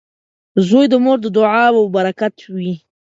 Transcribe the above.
• زوی د مور د دعاو برکت وي.